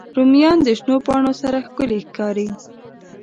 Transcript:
رومیان د شنو پاڼو سره ښکلي ښکاري